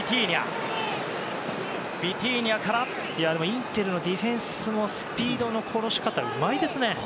インテルのディフェンスのスピードの殺し方うまいですよね。